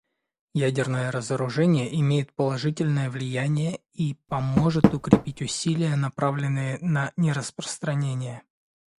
Ядерное разоружение имеет положительное влияние и поможет укрепить усилия, направленные на нераспространение.